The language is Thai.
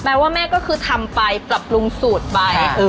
ว่าแม่ก็คือทำไปปรับปรุงสูตรไป